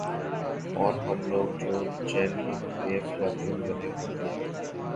اورہم لوگ جو چینلوں پہ افلاطون بنے ہوتے ہیں۔